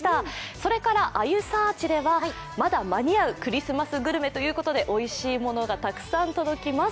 それから「あゆサーチ」ではまだ間に合うクリスマスグルメということでおいしいものがたくさん届きます。